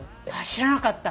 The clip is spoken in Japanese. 知らなかった。